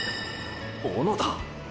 小野田！！